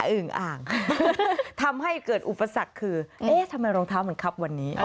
อึ่งอ่างทำให้เกิดอุปสรรคคือเอ๊ะทำไมรองเท้ามันครับวันนี้